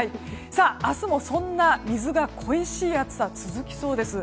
明日もそんな水が恋しい暑さが続きそうです。